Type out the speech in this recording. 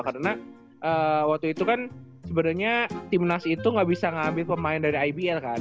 karena waktu itu kan sebenernya timnas itu gak bisa ngambil pemain dari ibl kan